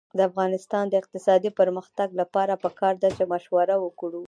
د افغانستان د اقتصادي پرمختګ لپاره پکار ده چې مشوره وکړو.